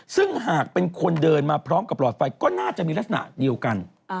ซึ่งหากเป็นคนเดินมาพร้อมกับหลอดไฟก็น่าจะมีลักษณะเดียวกัน